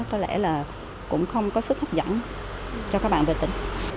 có lẽ là cũng không có sức hấp dẫn cho các bạn về tỉnh